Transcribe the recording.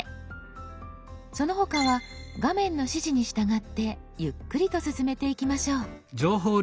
その他は画面の指示に従ってゆっくりと進めていきましょう。